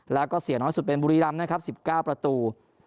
แล้วก็เสียน้อยสุดเป็นบุรีรำนะครับ๑๙ประตู